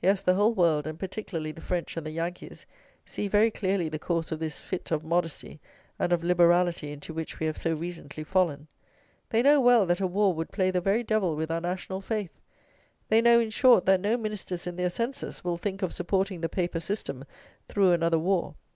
Yes, the whole world, and particularly the French and the Yankees, see very clearly the course of this fit of modesty and of liberality into which we have so recently fallen. They know well that a war would play the very devil with our national faith. They know, in short, that no Ministers in their senses will think of supporting the paper system through another war.